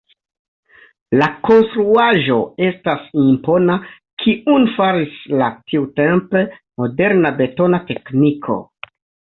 La konstruaĵo estas impona, kiun faris la tiutempe moderna betona tekniko.